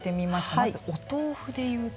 まずお豆腐でいうと。